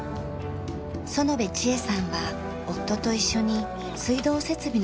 園部智恵さんは夫と一緒に水道設備の会社をしています。